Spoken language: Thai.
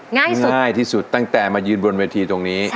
ง่ายมากง่ายที่สุดตั้งแต่มายืนบนเวทีตรงนี้